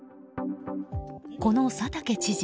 この佐竹知事